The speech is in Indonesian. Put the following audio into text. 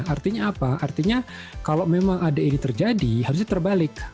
artinya apa artinya kalau memang ada ini terjadi harusnya terbalik